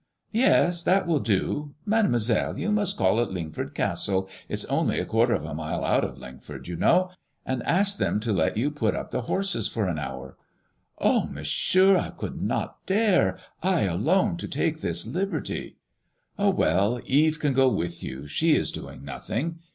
"Yes, that will do. Made moiselle, you must call at Ling ford Castle — it's only a quarter of a mile out of Lingford, you know — and ask them to let you put up the horses for an hour.'* " Oh, Monsieur, I could not dare, I alone to take this liberty." "Oh, well, Eve can go with you ; she is doing nothing.